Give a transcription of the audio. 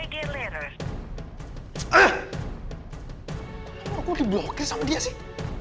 kenapa aku lagi blokir sama dia sih